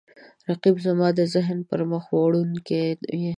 رقیب زما د ذهن پرمخ وړونکی دی